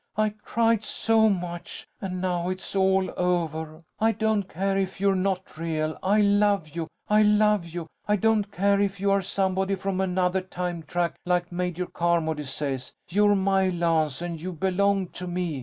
I cried so much, and now it's all over. I don't care if you're not real. I love you, I love you! I don't care if you are somebody from another time track like Major Carmody says! You're my Lance and you belong to me.